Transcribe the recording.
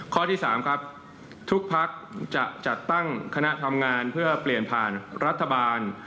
ข้อที่๓ครับทุกพักจะจัดตั้งคณะทำงานเพื่อเปลี่ยนผ่านรัฐบาล